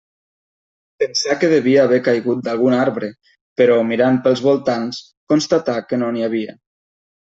Pensà que devia haver caigut d'algun arbre, però, mirant pels voltants, constatà que no n'hi havia.